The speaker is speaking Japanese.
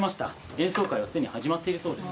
演奏会は既に始まっているそうです。